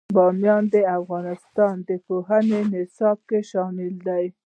بامیان د افغانستان د پوهنې نصاب کې شامل دي.